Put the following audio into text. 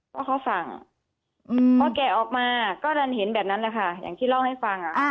เพราะเขาสั่งพอแกะออกมาก็ดันเห็นแบบนั้นแหละค่ะอย่างที่เล่าให้ฟัง